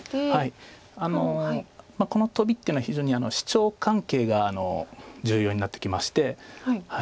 あのこのトビっていうのは非常にシチョウ関係が重要になってきまして。